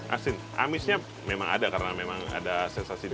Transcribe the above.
asin amisnya memang ada karena memang ada sensasi